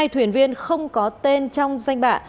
hai thuyền viên không có tên trong danh bạ